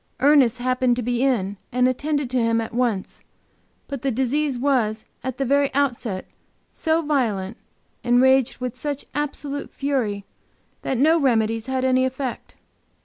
Ernest happened to be in and attended to him at once. But the disease was, at the very outset, so violent, and raged with such absolute fury, that no remedies had any effect.